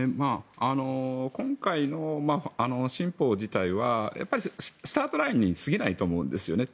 今回の新法自体はスタートラインに過ぎないと思うんですね。